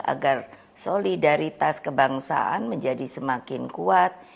agar solidaritas kebangsaan menjadi semakin kuat